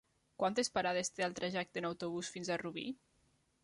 Quantes parades té el trajecte en autobús fins a Rubí?